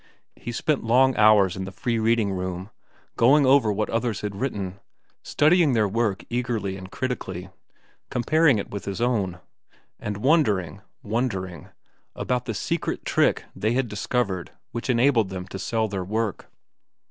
He spent long hours in the free reading room, going over what others had written, studying their work eagerly and critically, comparing it with his own, and wondering, wondering, about the secret trick they had discovered which enabled them to sell their work.